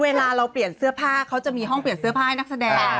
เวลาเราเปลี่ยนเสื้อผ้าเขาจะมีห้องเปลี่ยนเสื้อผ้าให้นักแสดง